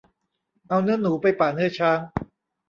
เอาเนื้อหนูไปปะเนื้อช้าง